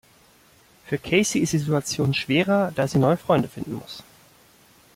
Für Casey ist die Situation schwerer, da sie neue Freunde finden muss.